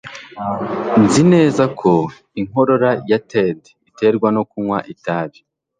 Nzi neza ko inkorora ya Ted iterwa no kunywa itabi